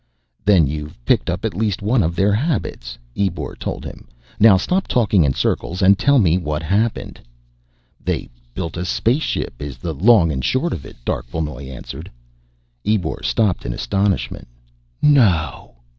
"Then you've picked up at least one of their habits," Ebor told him. "Now stop talking in circles and tell me what happened." "They built a spaceship, is the long and the short of it," Darquelnoy answered. Ebor stopped in astonishment. "No!"